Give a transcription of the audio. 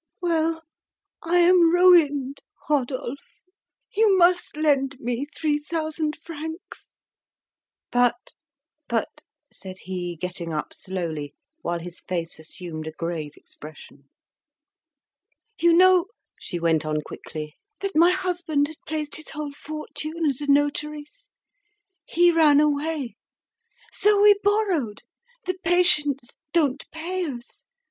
"Well, I am ruined, Rodolphe! You must lend me three thousand francs." "But but " said he, getting up slowly, while his face assumed a grave expression. "You know," she went on quickly, "that my husband had placed his whole fortune at a notary's. He ran away. So we borrowed; the patients don't pay us.